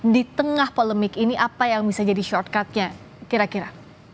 di tengah polemik ini apa yang bisa jadi shortcutnya kira kira